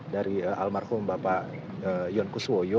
dari almarhum bapak yon kuswoyo